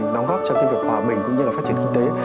đóng góp cho cái việc hòa bình cũng như là phát triển kinh tế